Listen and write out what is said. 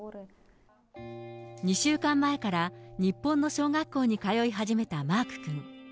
２週間前から日本の小学校に通い始めたマーク君。